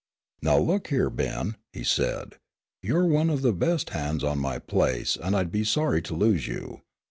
"Now, look here, Ben," he said. "You're one of the best hands on my place and I'd be sorry to lose you.